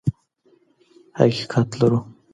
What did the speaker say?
حقیقت لرو.